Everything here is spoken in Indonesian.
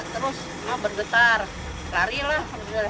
terus bergetar lari lah